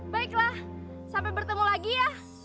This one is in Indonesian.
baiklah sampai bertemu lagi ya